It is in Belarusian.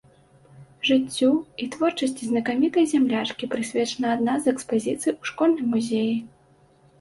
Жыццю і творчасці знакамітай зямлячкі прысвечана адна з экспазіцый у школьным музеі.